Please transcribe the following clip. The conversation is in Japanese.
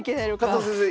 加藤先生